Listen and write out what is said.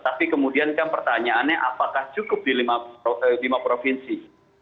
tapi kemudian kan pertanyaannya apakah cukup di lima provinsi